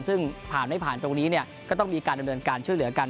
ซึ่งผ่านไม่ผ่านตรงนี้เนี่ยก็ต้องมีการดำเนินการช่วยเหลือกัน